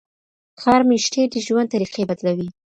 ښار میشتي د ژوند طریقې بدلوي.